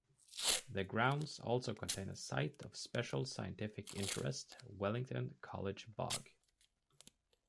The grounds also contain a Site of Special Scientific Interest, Wellington College Bog.